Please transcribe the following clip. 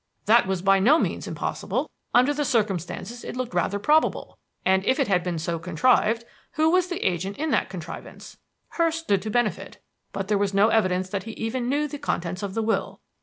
That was by no means impossible: under the circumstances it looked rather probable. And if it had been so contrived, who was the agent in that contrivance? Hurst stood to benefit, but there was no evidence that he even knew the contents of the will.